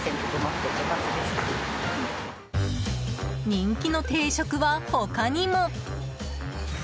人気の定食は他にも。